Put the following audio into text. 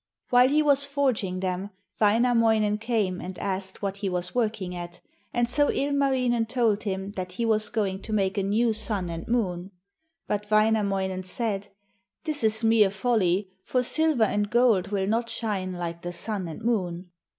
While he was forging them, Wainamoinen came and asked what he was working at, and so Ilmarinen told him that he was going to make a new sun and moon. But Wainamoinen said: 'This is mere folly, for silver and gold will not shine like the sun and moon.'